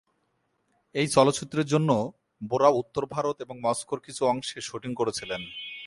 এই চলচ্চিত্রের জন্য বোরা উত্তর ভারত এবং মস্কোর কিছু অংশে শুটিং করেছিলেন।